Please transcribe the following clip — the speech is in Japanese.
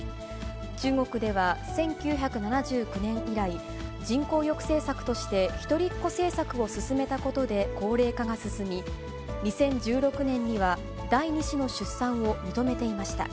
中国では１９７９年以来、人口抑制策として、一人っ子政策を進めたことで高齢化が進み、２０１６年には第２子の出産を認めていました。